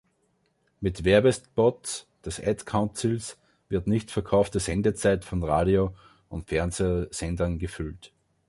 Mit Werbespots des Ad Councils wird nicht verkaufte Sendezeit von Radio- und Fernsehsendern gefüllt.